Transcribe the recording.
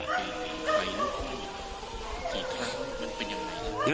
ไฟลุกขึ้นมันเป็นยังไง